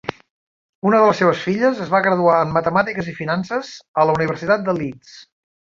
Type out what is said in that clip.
Una de les seves filles es va graduar en Matemàtiques i Finances a la Universitat de Leeds.